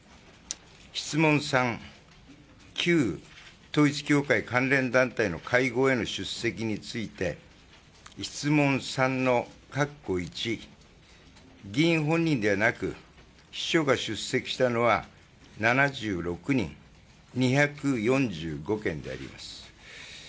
質問３、旧統一教会関連団体の会合への出席について質問３の議員本人ではなく秘書が出席したのは７６人、２４５件であります。